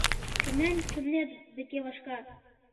Чонем чонет деке вашка.